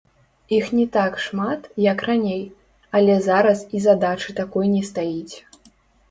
Іх не так шмат, як раней, але зараз і задачы такой не стаіць.